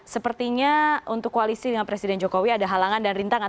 sepertinya untuk koalisi dengan presiden jokowi ada halangan dan rintangan